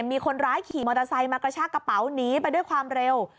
มีคนร้ายขี่มอเตอร์ไซค์มากระชากระเป๋าหนีไปด้วยความเร็ว